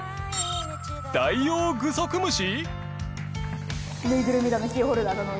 ダイオウグソクムシ？